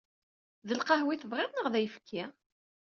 D lqahwa i tebɣiḍ neɣ d ayefki?